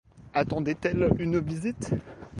Attendait-elle une visite?